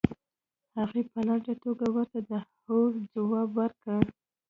هغې په لنډه توګه ورته د هو ځواب ورکړ.